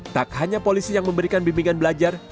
tak hanya polisi yang memberikan bimbingan belajar